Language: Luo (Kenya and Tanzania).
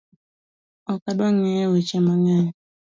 Ok adwa ng'eyo weche mang'eny